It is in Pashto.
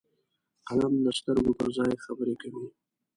قلم د سترګو پر ځای خبرې کوي